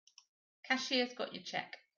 Cashier's got your check.